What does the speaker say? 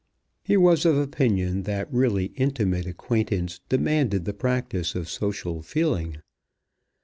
He was of opinion that really intimate acquaintance demanded the practice of social feeling.